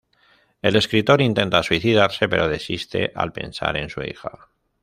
El escritor intenta suicidarse, pero desiste al pensar en su hija.